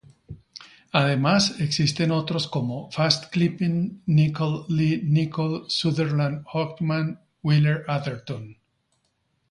Además existen otros como: Fast-Clipping, Nicholl-Lee-Nicholl, Sutherland-Hodgman, Weiler-Atherton